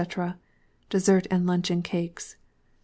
_ DESSERT AND LUNCHEON CAKES.